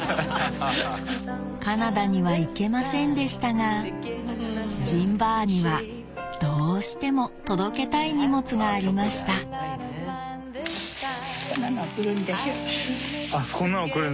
カナダには行けませんでしたがじんばあにはどうしても届けたい荷物がありました直で会いたいね。